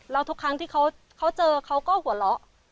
แล้วทุกครั้งที่เขาเจอเขาก็หัวเราะ